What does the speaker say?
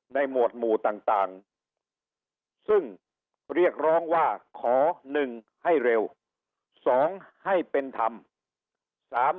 หมวดหมู่ต่างซึ่งเรียกร้องว่าขอ๑ให้เร็ว๒ให้เป็นธรรม